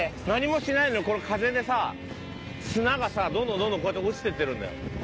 何もしてないのにこれ風でさ砂がさどんどんどんどんこうやって落ちていってるんだよ。